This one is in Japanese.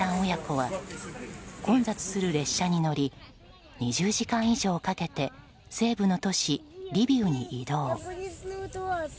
親子は混雑する列車に乗り２０時間以上かけて西部の都市リビウに移動。